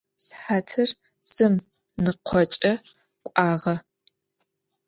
Сыхьатыр зым ныкъокӏэ кӏуагъэ.